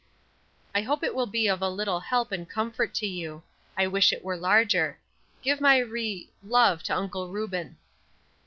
I hope it will be of a little help and comfort to you. I wish it were larger. Give my re love to Uncle Reuben."